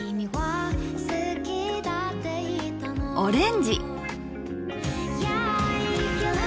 オレンジ。